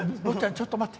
ちょっと待って。